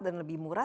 dan lebih murah